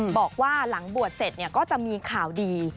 บอกว่าหลังบวชเสร็จก็จะมีข่าวดี